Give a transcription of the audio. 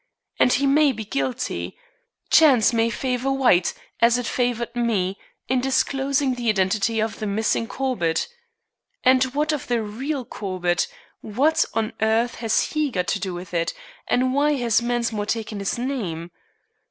and he may be guilty. Chance may favor White, as it favored me, in disclosing the identity of the missing Corbett. And what of the real Corbett? What on earth has he got to do with it, and why has Mensmore taken his name?